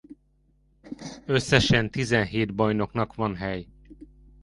Összesen tizenhét bajnoknak van hely.